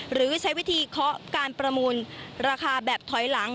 หรือใช้วิธีเคาะการประมูลราคาแบบถอยหลัง